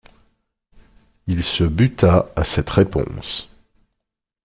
Il se buta à cette réponse.